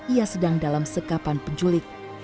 ia sedang dalam sekapan penculik